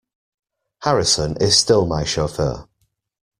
Harrison is still my chauffeur.